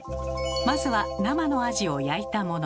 まずは生のアジを焼いたもの。